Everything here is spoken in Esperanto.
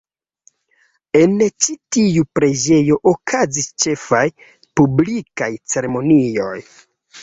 En ĉi tiu preĝejo okazis ĉefaj publikaj ceremonioj.